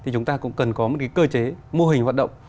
chúng ta cũng cần có một cơ chế mô hình hoạt động